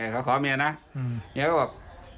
เขาขอเมียนะอย่างนี้เขาบอก